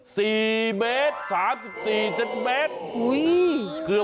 สี่เมตร๓๔๗เมตร